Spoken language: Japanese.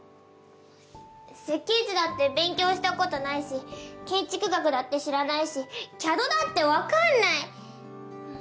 設計図だって勉強したことないし建築学だって知らないしＣＡＤだって分かんない！